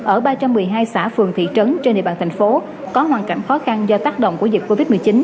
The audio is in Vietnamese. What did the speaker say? ở ba trăm một mươi hai xã phường thị trấn trên địa bàn thành phố có hoàn cảnh khó khăn do tác động của dịch covid một mươi chín